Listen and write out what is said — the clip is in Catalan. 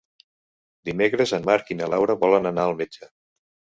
Dimecres en Marc i na Laura volen anar al metge.